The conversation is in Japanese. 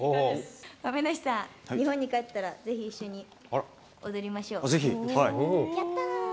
亀梨さん、日本に帰ったらぜひ一緒に踊りましょう。